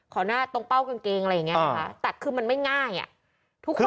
ข้อหน้าตรงเป้ากางเกงอะไรอย่างนี้ค่ะแต่คือมันไม่ง่ายคือ